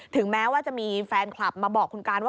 ถึงแม้ว่าจะมีแฟนคลับมาบอกคุณการว่า